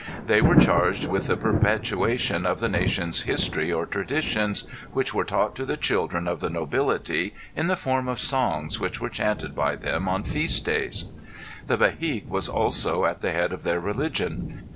They were charged with the perpetuation of the nations history or traditions, which were taught to the children of the nobility in the form of songs which were chanted by them on feast days. The Behique was also at the head of their religion.